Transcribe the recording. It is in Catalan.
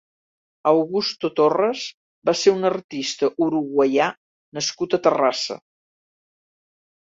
Augusto Torres va ser un artista uruguaià nascut a Terrassa.